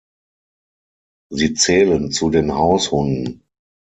Sie zählen zu den Haushunden.